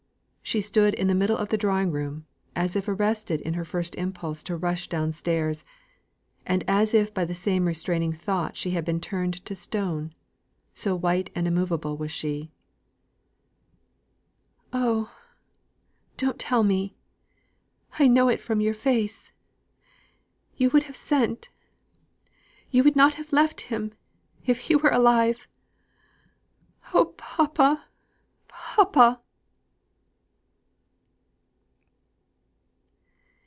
She stood in the middle of the drawing room, as if arrested in her first impulse to rush downstairs, and as if by the same restraining thought she had been turned to stone; so white and immovable was she. "Oh! don't tell me! I know it from your face! You would have sent you would not have left him if he were alive! Oh, papa, papa!"